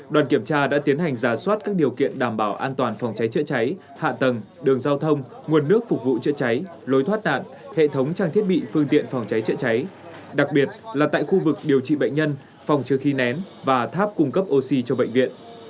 đoàn kiểm tra đã tiến hành giả soát các điều kiện đảm bảo an toàn phòng cháy chữa cháy hạ tầng đường giao thông nguồn nước phục vụ chữa cháy lối thoát nạn hệ thống trang thiết bị phương tiện phòng cháy chữa cháy đặc biệt là tại khu vực điều trị bệnh nhân phòng trừ khi nén và tháp cung cấp oxy cho bệnh viện